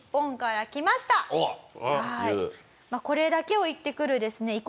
これだけを言ってくるですね